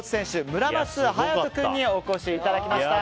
村松勇人君にお越しいただきました。